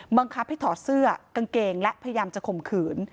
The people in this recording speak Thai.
บังคับให้ถอดเสื้อกางเกงและพยายามจะข่มขืน